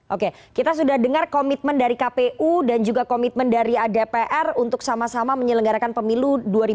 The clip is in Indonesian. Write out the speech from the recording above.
oke kita sudah dengar komitmen dari kpu dan juga komitmen dari dpr untuk sama sama menyelenggarakan pemilu dua ribu dua puluh